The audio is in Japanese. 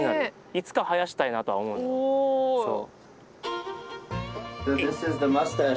いつか生やしたいなとは思うのよ。